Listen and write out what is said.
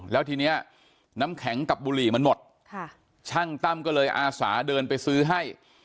แล้วทีนี้น้ำแข็งกับบุหรี่มันหมดช่างตั้มก็เลยอาสาเดินไปซื้อให้